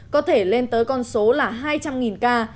có thể lên tới con số là hai trăm linh ca